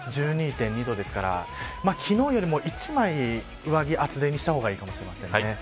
１２．２度ですから昨日よりも１枚上着、厚手にした方がいいかもしれません。